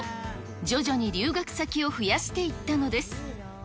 徐々に留学先を増やしていったのです。